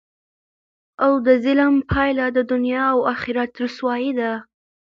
او دظلم پایله د دنیا او اخرت رسوايي ده،